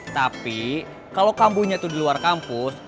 tapi kalau kambuhnya itu di luar kampus